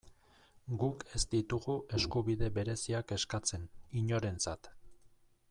Guk ez ditugu eskubide bereziak eskatzen, inorentzat.